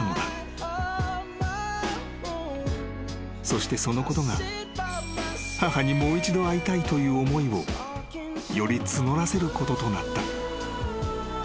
［そしてそのことが母にもう一度会いたいという思いをより募らせることとなった］